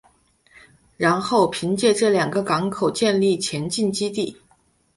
然后凭借这两个港口建立前进基地。